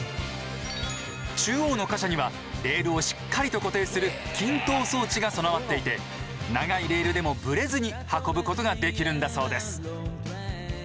中央の貨車にはレールをしっかりと固定する緊締装置が備わっていて長いレールでもブレずに運ぶことができるんだそうです。